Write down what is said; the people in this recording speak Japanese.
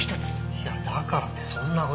いやだからってそんな事。